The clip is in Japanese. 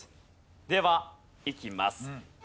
ではいきます。